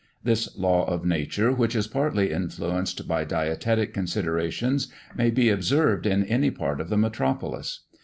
This law of nature, which is partly influenced by dietetic considerations, may be observed in any part of the metropolis.